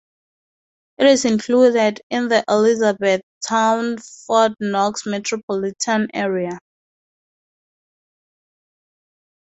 It is included in the Elizabethtown-Fort Knox Metropolitan Area.